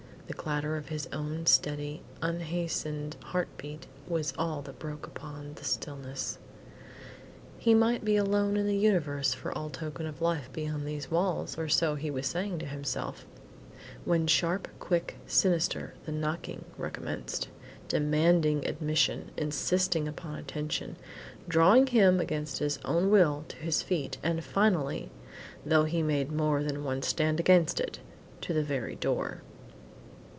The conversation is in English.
The clatter of his own steady, unhastened heart beat was all that broke upon the stillness. He might be alone in the Universe for all token of life beyond these walls, or so he was saying to himself, when sharp, quick, sinister, the knocking recommenced, demanding admission, insisting upon attention, drawing him against his own will to his feet, and finally, though he made more than one stand against it, to the very door.